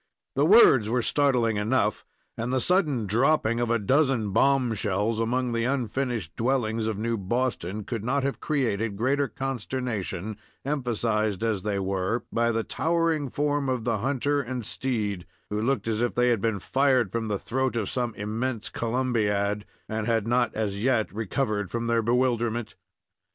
The words were startling enough, and the sudden dropping of a dozen bombshells among the unfinished dwellings of New Boston could not have created greater consternation, emphasized as they were by the towering form of the hunter and steed, who looked as if they had been fired from the throat of some immense Columbiad, and had not as yet recovered from their bewilderment.